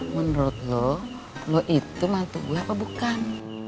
menurut lo lo itu mantu gue apa bukan